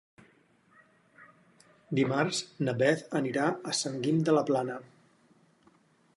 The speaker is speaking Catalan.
Dimarts na Beth anirà a Sant Guim de la Plana.